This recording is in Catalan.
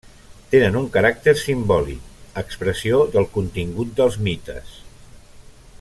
Tenen un caràcter simbòlic, expressió del contingut dels mites.